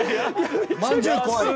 「まんじゅうこわい」。